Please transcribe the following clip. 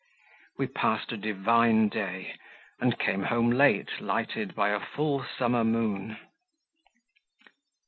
We passed a divine day, and came home late, lighted by a full summer moon.